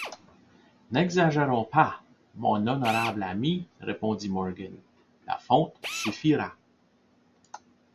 N’exagérons pas, mon honorable ami, répondit Morgan ; la fonte suffira.